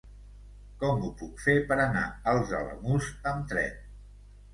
Com ho puc fer per anar als Alamús amb tren?